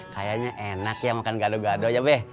kayaknya enak ya makan gado gado aja beh